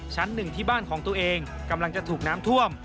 ชั้นหนึ่งที่บ้านของตัวเองกำลังจะถูกน้ำท่วม